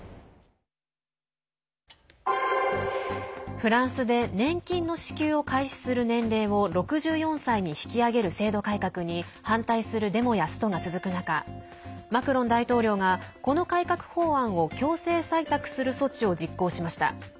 フランスで年金の支給を開始する年齢を６４歳に引き上げる制度改革に反対するデモやストが続く中マクロン大統領がこの改革法案を強制採択する措置を実行しました。